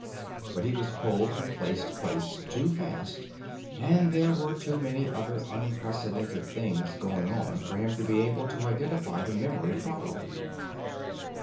But he was pulled from place to place too fast and there were too many other unprecedented things going on for him to be able to identify the memory properly.